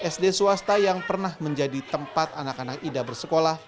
sd swasta yang pernah menjadi tempat anak anak ida bersekolah